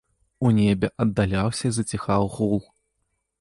У небе аддаляўся і заціхаў гул.